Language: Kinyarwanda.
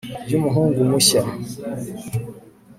yumuhungu mushya